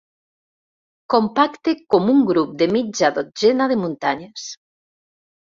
Compacte com un grup de mitja dotzena de muntanyes.